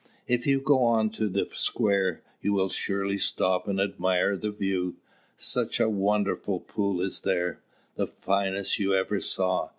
If you go on to the square, you will surely stop and admire the view: such a wonderful pool is there! The finest you ever saw.